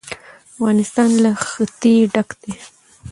افغانستان له ښتې ډک دی.